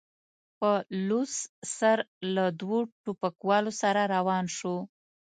په لوڅ سر له دوو ټوپکوالو سره روان شو.